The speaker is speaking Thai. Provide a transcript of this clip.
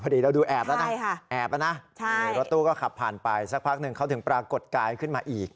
เราดูแอบแล้วนะแอบแล้วนะรถตู้ก็ขับผ่านไปสักพักหนึ่งเขาถึงปรากฏกายขึ้นมาอีก